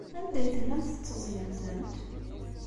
Anda ay tellamt tetteẓẓgemt-tent?